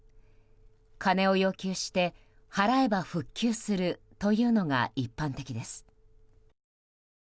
金を要求して、払えば復旧するというのが一般的です。